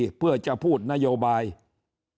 ก่อนจะให้เขาเสนอชื่อเป็นแคนดิเดตนายกรัฐมนตรี